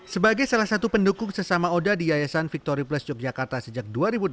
sebagai salah satu pendukung sesama oda di yayasan victory plus yogyakarta sejak dua ribu delapan belas